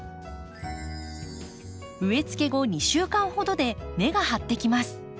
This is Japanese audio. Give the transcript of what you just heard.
植えつけ後２週間ほどで根が張ってきます。